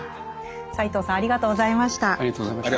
斎藤さんありがとうございました。